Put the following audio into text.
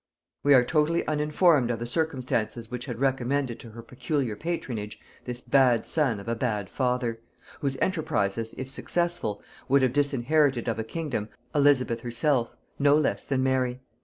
We are totally uninformed of the circumstances which had recommended to her peculiar patronage this bad son of a bad father; whose enterprises, if successful, would have disinherited of a kingdom Elizabeth herself no less than Mary.